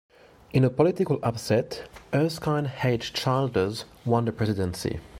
In a political upset, Erskine H. Childers won the presidency.